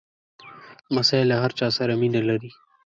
لمسی له هر چا سره مینه لري.